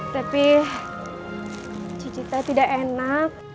tapi cici tadi tidak enak